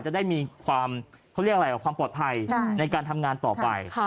จะได้มีความปลอดภัยในการทำงานต่อไป